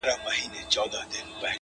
• کشپ ولیدل له پاسه شنه کښتونه -